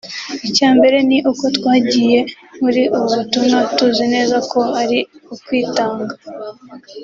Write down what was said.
'icyambere ni uko twagiye muri ubu butumwa tuzi neza ko ari ukwitanga